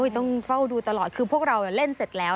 ต้องเฝ้าดูตลอดคือพวกเราเล่นเสร็จแล้ว